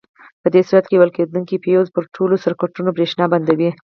په دې صورت کې ویلې کېدونکي فیوز پر ټولو سرکټونو برېښنا بندوي.